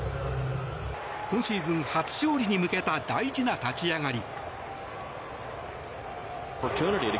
今シーズン初勝利に向けた大事な立ち上がり。